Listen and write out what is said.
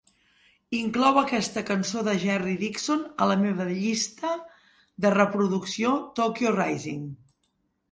Inclou aquesta cançó de Jerry Dixon a la meva llista de reproducció Tokyo Rising.